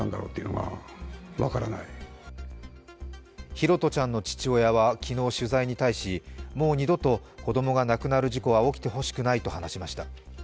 拓杜ちゃんの父親は昨日、取材に対しもう二度と子供が亡くなる事故は起きてほしくないと話しました。